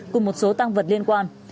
cùng một số tăng vật liên quan